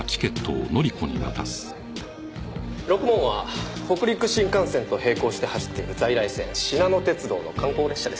ろくもんは北陸新幹線と並行して走っている在来線しなの鉄道の観光列車です。